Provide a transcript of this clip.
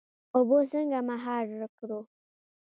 اوبه څنګه مهار کړو؟